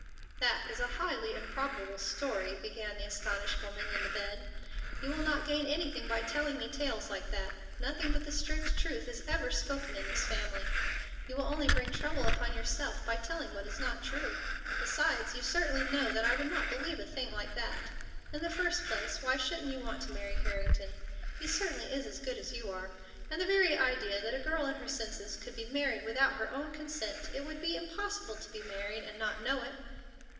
"That is a highly improbable story," began the astonished woman in the bed. "You will not gain anything by telling me tales like that. Nothing but the strict truth is ever spoken in this family. You will only bring trouble upon yourself by telling what is not true. Besides, you certainly know that I would not believe a thing like that. In the first place, why shouldn't you want to marry Harrington? He certainly is as good as you are. And the very idea that a girl in her senses could be married without her own consent! It would be impossible to be married and not know it."